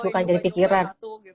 bukan jadi pikiran